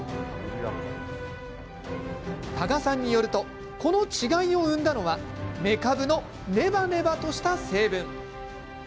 多賀さんによるとこの違いを生んだのはめかぶのネバネバとした成分。